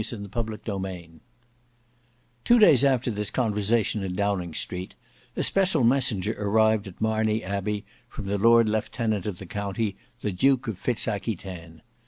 Book 6 Chapter 2 Two days after this conversation in Downing Street, a special messenger arrived at Marney Abbey from the Lord Lieutenant of the county, the Duke of Fitz Aquitaine.